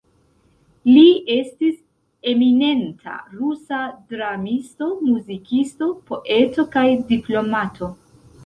Li estis eminenta rusa dramisto, muzikisto, poeto kaj diplomato.